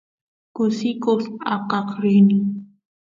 kusikus aqaq rini